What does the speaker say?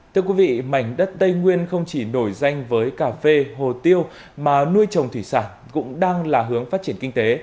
thưa quý vị mảnh đất tây nguyên không chỉ nổi danh với cà phê hồ tiêu mà nuôi trồng thủy sản cũng đang là hướng phát triển kinh tế